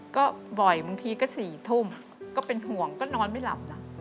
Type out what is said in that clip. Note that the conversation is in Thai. ก็บ่อยบางทีก็๔ทุ่มก็เป็นห่วงก็นอนไม่หลับนะ